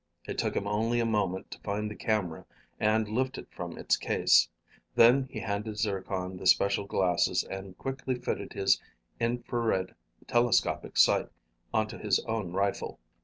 It took him only a moment to find the camera and lift it from its case, then he handed Zircon the special glasses and quickly fitted his infrared telescopic sight onto his own rifle.